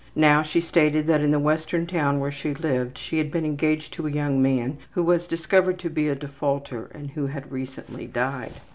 Now she stated that in the western town where she lived she had been engaged to a young man who was discovered to be a defaulter and who had recently died.